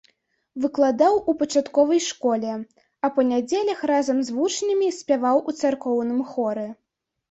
Выкладаў у пачатковай школе, а па нядзелях разам з вучнямі спяваў у царкоўным хоры.